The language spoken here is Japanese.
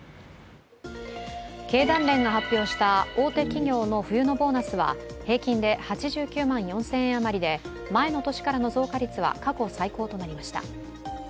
経団連が発表した大手企業の冬のボーナスは平均で８９万４０００円余りで、前の年からの増加率は過去最高となりました。